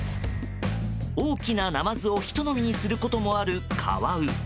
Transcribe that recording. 大きなナマズをひと飲みにすることもあるカワウ。